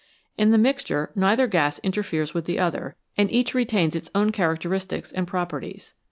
In the mixture neither gas interferes with the other, and each retains its own characteristics and properties.